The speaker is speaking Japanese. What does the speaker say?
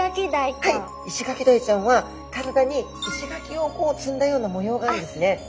イシガキダイちゃんは体に石垣を積んだような模様があるんですね。